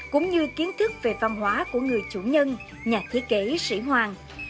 cũng như kiến thức về văn hóa của người chủ nhân nhạc thiết kế sĩ hoàng